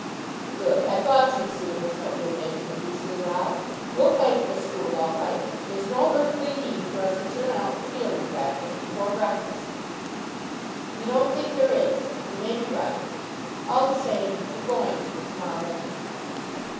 "Good. I thought you'd see it was no good making a beastly row. We'll play for the school all right. There's no earthly need for us to turn out for fielding practice before breakfast." "You don't think there is? You may be right. All the same, you're going to to morrow morning."